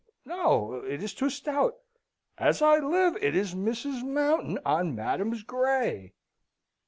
No. It is too stout. As I live it is Mrs. Mountain on Madam's grey!